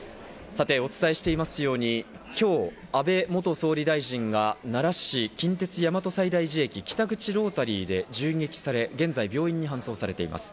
さて、お伝えしていますように今日、安倍元総理大臣が奈良市、近鉄・大和西大寺駅北口ロータリーで銃撃され、現在病院に搬送されています。